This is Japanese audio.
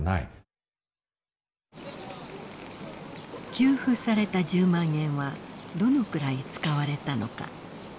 給付された１０万円はどのくらい使われたのか。